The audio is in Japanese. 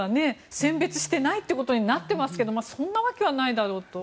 選別してないってことにはなっていますけどそんなわけはないだろうと。